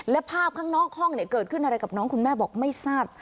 และภาพข้างนอกห้องเกิดขึ้นอะไรกับน้องคุณแม่บอกไม่ทราบ